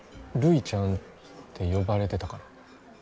ルイちゃんって呼ばれてたから。